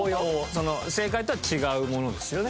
正解とは違うものですよね。